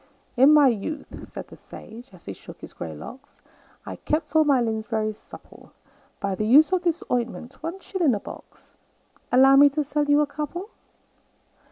"In my youth," said the sage, as he shook his grey locks, "I kept all my limbs very supple By the use of this ointment one shilling a box Allow me to sell you a couple?"